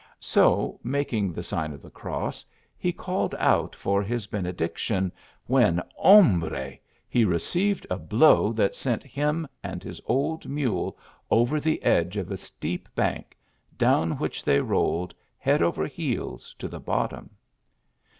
So, making the sign of the cross, he called out for his benediction, when hombre ! he received a blow that sent him and his old mule over the edge of a steep bank, down which they rolled, head over heels, to the bottom.